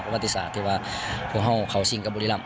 เพราะว่าตีศาสตร์ที่ว่าพวกเราเขาสิ้นกับบุริลัมต์